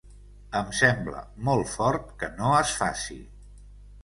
Em sembla molt fort que no es faci.